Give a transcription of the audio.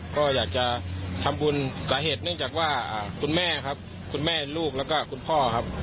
ก็อยากจะทำบุญสาเหตุเนื่องจากว่าคุณแม่ครับคุณแม่ลูกแล้วก็คุณพ่อครับ